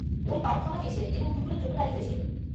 Wolpert ক্ষমা চেয়েছিলেন এবং ভুলগুলোর জন্য দায়ী হয়েছিলেন।